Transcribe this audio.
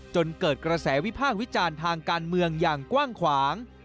จนเกิดกระแสวิพากษ์วิจารณ์ทางการเมืองอย่างกว้างขวาง